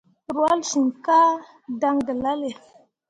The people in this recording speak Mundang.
Rwahlle siŋ ka dan gelale.